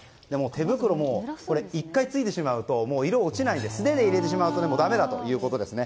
手袋ももう１回ついてしまうと色が落ちないので素手で入れてしまうとだめだということですね。